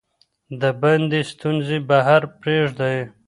د باندې ستونزې بهر پریږدئ.